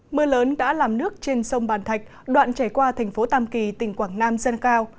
mưa lớn đã làm nước trên sông bàn thạch đoạn chảy qua thành phố tam kỳ tỉnh quảng nam dâng cao